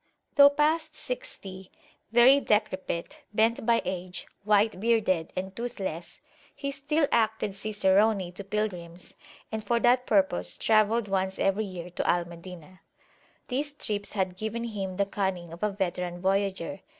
Though past sixty, very decrepit, bent by age, white bearded, and toothless, he still acted cicerone to pilgrims, and for that purpose travelled once every year to Al Madinah. These trips had given him the cunning of a veteran voyageur.